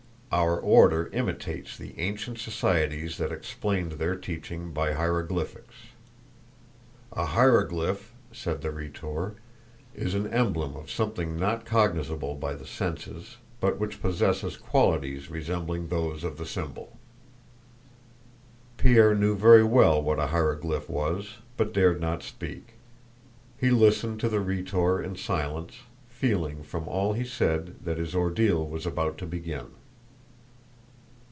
Our Order imitates the ancient societies that explained their teaching by hieroglyphics. A hieroglyph," said the Rhetor, "is an emblem of something not cognizable by the senses but which possesses qualities resembling those of the symbol." Pierre knew very well what a hieroglyph was, but dared not speak. He listened to the Rhetor in silence, feeling from all he said that his ordeal was about to begin.